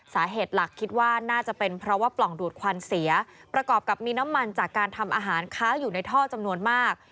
สาเหตุหลักคิดว่าน่าจะเป็นเพราะว่าปล่องดูดควันเสียประกอบกับมีน้ำมันจากการทำอาหารค้างอยู่ในท่อจำนวนมาก